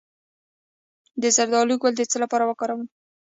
د زردالو ګل د څه لپاره وکاروم؟